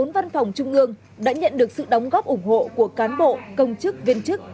bốn văn phòng trung ương đã nhận được sự đóng góp ủng hộ của cán bộ công chức viên chức